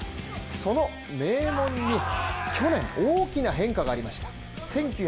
その名門に、去年、大きな変化がありました。